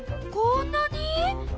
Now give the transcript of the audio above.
こんなに？